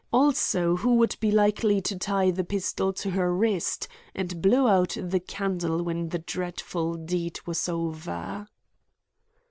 Also who would be likely to tie the pistol to her wrist and blow out the candle when the dreadful deed was over."